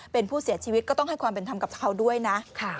เป็นผู้เสียชีวิตก็ต้องให้ความเป็นธรรมกับเขาด้วยนะ